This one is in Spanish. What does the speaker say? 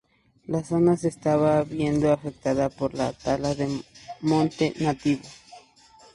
La zona se está viendo afectada por la tala de monte nativo.